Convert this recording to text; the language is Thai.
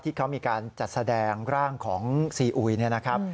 ที่เขามีการจัดแสดงร่างของซีอุยเนี่ยนะครับ